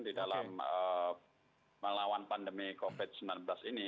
di dalam melawan pandemi covid sembilan belas ini